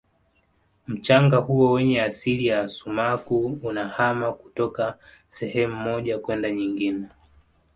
mchanga huo wenye asili ya sumaku unahama kutoka sehemu moja kwenda nyingine